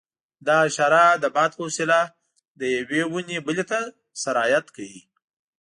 دا حشره د باد په وسیله له یوې ونې بلې ته سرایت کوي.